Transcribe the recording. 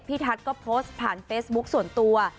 ทัศน์ก็โพสต์ผ่านเฟซบุ๊คส่วนตัว